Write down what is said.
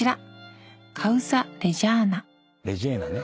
「レジェーナ」ね。